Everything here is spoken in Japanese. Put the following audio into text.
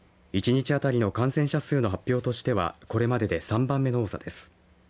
１日当たりの感染者数の発表としてはこれまでで３番目の多さです。